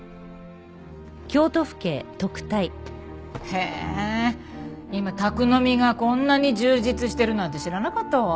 へえ今宅飲みがこんなに充実してるなんて知らなかったわ。